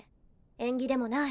縁起でもない。